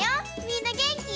みんなげんき？